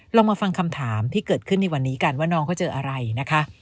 เรามาฟังคำถามที่เกิดขึ้นในวันนี้กันว่าน้องเขาเจออะไรนะคะ